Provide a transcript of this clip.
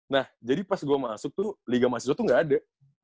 nah jadi pas gue masuk tuh liga mahasiswa tuh gak ada